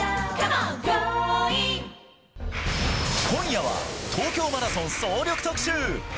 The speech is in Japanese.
今夜は東京マラソン総力特集。